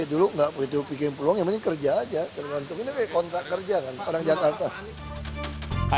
aku dari dulu nggak begitu pikirin peluang yang penting kerja aja tergantung ini kayak kontrak kerja kan padang jakarta